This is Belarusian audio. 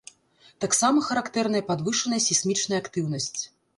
Таксама характэрная падвышаная сейсмічная актыўнасць.